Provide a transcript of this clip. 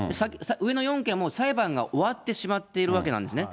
上の４件はもう裁判が終わってしまっているわけなんですね。